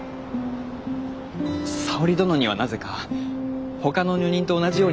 沙織殿にはなぜかほかの女人と同じようにできぬのじゃ。